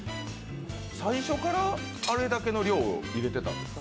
最初からあれだけの量を入れてたんですか？